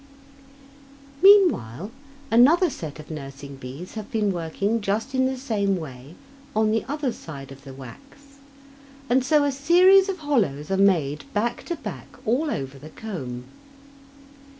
Meanwhile another set of nursing bees have been working just in the same way on the other side of the wax, and so a series of hollows are made back to back all over the comb.